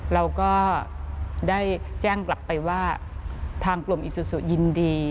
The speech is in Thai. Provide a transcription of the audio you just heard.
เราก็ได้แจ้งกลับไปว่าทางกลุ่มอิซูซูยินดี